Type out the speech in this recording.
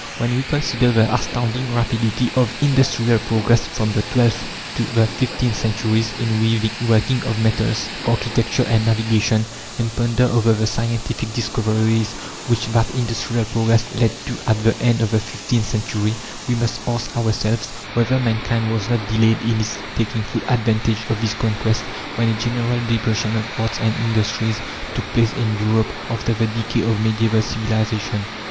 When we consider the astounding rapidity of industrial progress from the twelfth to the fifteenth centuries in weaving, working of metals, architecture and navigation, and ponder over the scientific discoveries which that industrial progress led to at the end of the fifteenth century we must ask ourselves whether mankind was not delayed in its taking full advantage of these conquests when a general depression of arts and industries took place in Europe after the decay of medieval civilization.